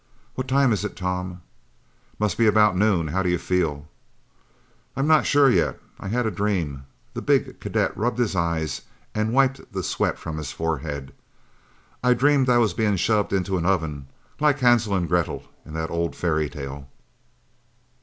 "What time is it, Tom?" "Must be about noon. How do you feel?" "I'm not sure yet. I had a dream." The big cadet rubbed his eyes and wiped the sweat from his forehead. "I dreamed I was being shoved into an oven like Hansel and Gretel in that old fairy tale."